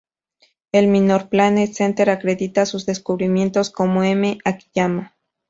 El Minor Planet Center acredita sus descubrimientos como M. Akiyama.